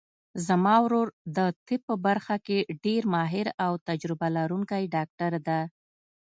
زما ورور د طب په برخه کې ډېر ماهر او تجربه لرونکی ډاکټر ده